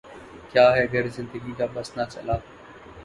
کیا ہے گر زندگی کا بس نہ چلا